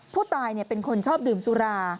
ผู้ตายเป็นคนชอบดื่มสุรา